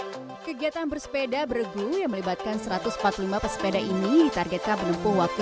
hai kegiatan bersepeda bergul yang melibatkan satu ratus empat puluh lima pesepeda ini ditargetkan menempuh waktu